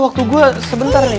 waktu gue sebentar nih